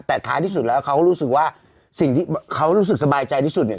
แต่ท้ายที่สุดแล้วเขาก็รู้สึกว่าสิ่งที่เขารู้สึกสบายใจที่สุดเนี่ย